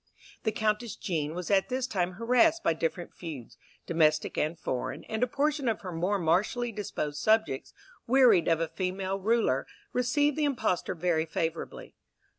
The Countess Jean was at this time harassed by different feuds, domestic and foreign, and a portion of her more martially disposed subjects, wearied of female rule, received the impostor very favourably.